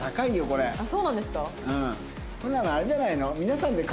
こんなのあれじゃないの？